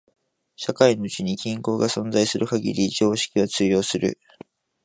社会のうちに均衡が存在する限り常識は通用する。